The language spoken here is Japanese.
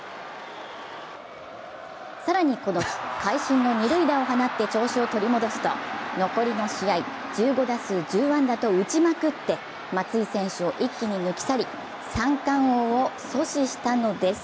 更にこの日、会心の二塁打を放って調子を取り戻すと残りの試合１５打数１０安打と打ちまくって松井選手を一気に抜き去り三冠王を阻止したのです。